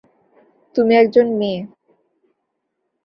তুমি একজন মেয়ে।